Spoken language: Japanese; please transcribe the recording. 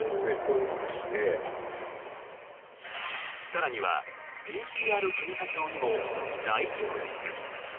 更にはＰＣＲ検査場にも大行列。